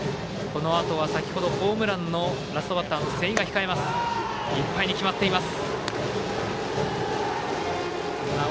このあとはホームランのラストバッターの瀬井が控えます。